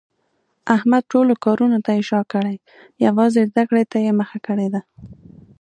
احمد ټولو کارونو ته شاکړې یووازې زده کړې ته یې مخه کړې ده.